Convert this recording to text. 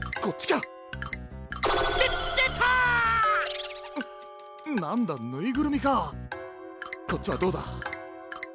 こっちはどうだ？